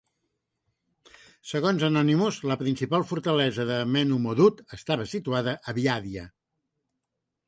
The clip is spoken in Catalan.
Segons Anonymus la principal fortalesa de Menumorut estava situada a Biharia.